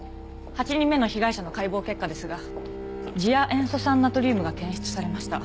８人目の被害者の解剖結果ですが次亜塩素酸ナトリウムが検出されました。